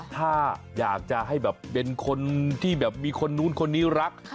ถ้าอยากจะให้แบบเป็นคนที่แบบมีคนนู้นคนนี้รัก